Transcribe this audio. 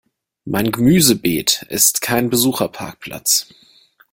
Mein Gemüsebeet ist kein Besucherparkplatz!